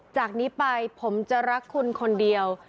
จากนี้ไปผมจะรักคุณคนเดียว